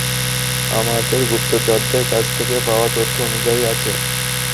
আমাদের গুপ্তচরদের কাছ থেকে পাওয়া তথ্য অনুযায়ী, আছে!